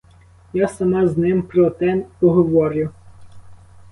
Я сама з ним про те поговорю.